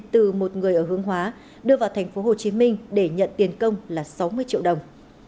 từ một người ở hương hóa đưa vào thành phố hồ chí minh để nhận tiền công là sáu mươi triệu đồng